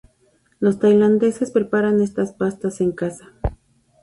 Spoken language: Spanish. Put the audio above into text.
Los tailandeses preparan estas pastas en casa.